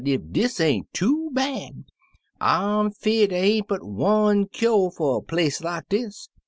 Ef dis ain't too bad ! I 'm fear' dey ain't but one kyo fer a place like dis.